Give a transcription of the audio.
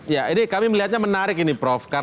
ya ini kami melihatnya menarik ini prof